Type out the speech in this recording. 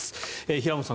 平元さん